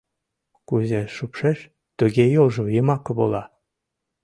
Кузе шупшеш, туге йолжо йымак вола.